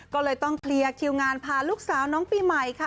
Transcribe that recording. ก็เลยต้องเคลียร์คิวงานพาลูกสาวน้องปีใหม่ค่ะ